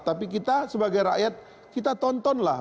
tapi kita sebagai rakyat kita tontonlah